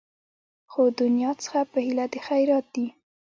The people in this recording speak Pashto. خو دنیا څخه په هیله د خیرات دي